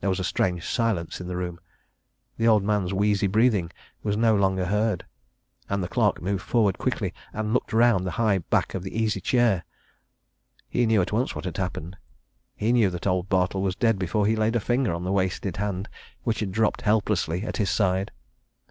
There was a strange silence in the room: the old man's wheezy breathing was no longer heard. And the clerk moved forward quickly and looked round the high back of the easy chair.... He knew at once what had happened knew that old Bartle was dead before he laid a finger on the wasted hand which had dropped helplessly at his side.